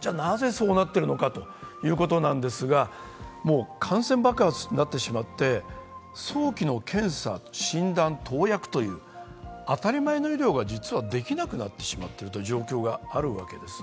じゃあ、なぜそうなっているのかということですが、感染爆発になってしまって早期の検査、診断、投薬という当たり前の医療が実はできなくなってしまっている状況があるわけです。